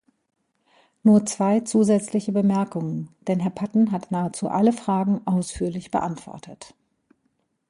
Nur zwei zusätzliche Bemerkungen, denn Herr Patten hat nahezu alle Fragen ausführlich beantwortet.